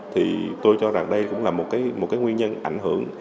thì tôi cho rằng đây cũng là một cái nguyên nhân ảnh hưởng